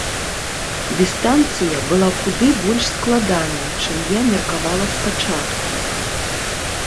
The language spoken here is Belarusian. Дыстанцыя была куды больш складаная, чым я меркавала спачатку.